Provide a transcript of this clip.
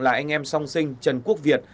là anh em song sinh trần quốc việt